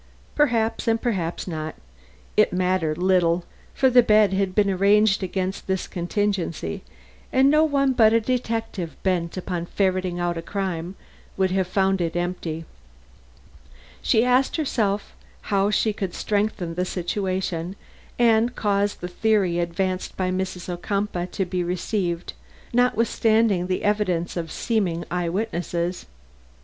Perhaps, and perhaps not, it mattered little, for the bed had been arranged against this contingency and no one but a detective bent upon ferreting out crime would have found it empty) she asked herself how she could strengthen the situation and cause the theory advanced by Mrs. Ocumpaugh to be received, notwithstanding the evidence of seeming eye witnesses.